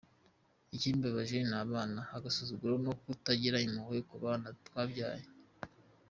"Ikimbabaje ni abana, agasuzuguro no kutagira impuhwe ku bana twabyaranye.